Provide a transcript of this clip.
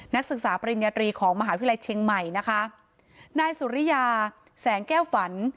นักศึกษาปริญญาตรีของมหาวิทยาลัยเชียงใหม่นะคะนายสุริยาแสงแก้วฝัน